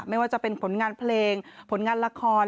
ไม่ว่าจะเป็นผลงานเพลงผลงานละคร